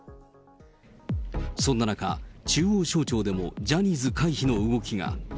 そんな中、中央省庁でもジャニーズ回避の動きが。